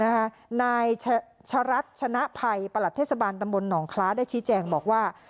นายชะรัฐชนะภัยประหลัดเทศบาลตำบลหนองคล้าได้ชี้แจงบอกว่า